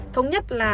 thống nhất là